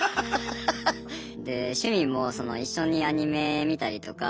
で趣味も一緒にアニメ見たりとか。